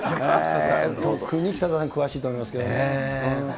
特に北澤さん、詳しいと思いますけどね。